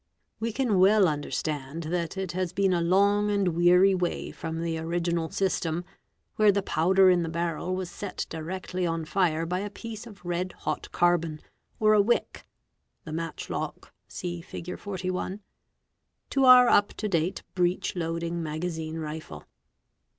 We can | well understand thatit has been a long and weary way from the original e system, where the powder in the barrel was set directly on fire by a piece _ of red hot carbon or a wick (the matchlock, see Fig. 41), to our up to date Bs coesing magazine rifle.